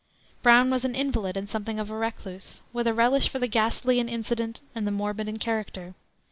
Brown was an invalid and something of a recluse, with a relish for the ghastly in incident and the morbid in character.